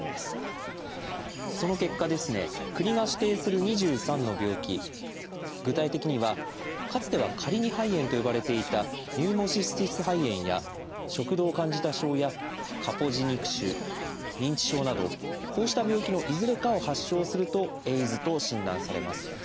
その結果国が指定する２３の病気具体的にはかつては「カリニ肺炎」と呼ばれていた「ニューモシスティス肺炎」や「食道カンジダ症」や「カポジ肉腫」「認知症」などこうした病気のいずれかを発症すると「ＡＩＤＳ」と診断されます。